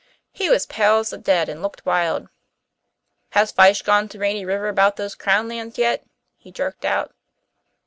He was pale as the dead, and looked wild. 'Has Fyshe gone to Rainy River about those Crown Lands yet?' he jerked out.